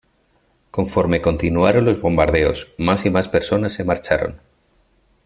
Conforme continuaron los bombardeos, más y más personas se marcharon.